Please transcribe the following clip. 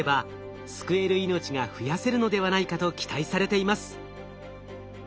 命が増やせるのではないかと期待されています。